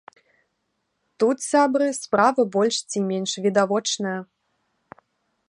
Тут, сябры, справа больш ці менш відавочная.